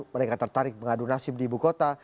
mereka tertarik mengadu nasib di ibu kota